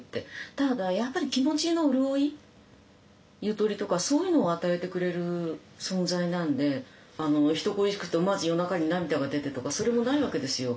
ただやっぱり気持ちの潤いゆとりとかそういうのを与えてくれる存在なんで人恋しくて思わず夜中に涙が出てとかそれもないわけですよ。